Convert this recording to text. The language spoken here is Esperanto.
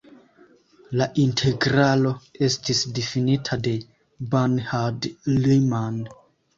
La integralo estis difinita de Bernhard Riemann.